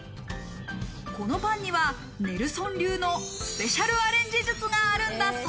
このパンにはネルソン流のスペシャルアレンジ術があるんだそう。